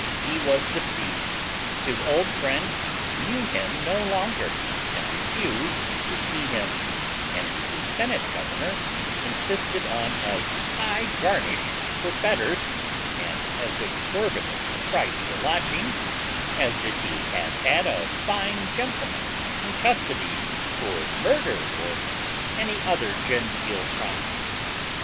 he was deceived; his old friend knew him no longer, and refused to see him, and the lieutenant governor insisted on as high garnish for fetters, and as exorbitant a price for lodging, as if he had had a fine gentleman in custody for murder, or any other genteel crime.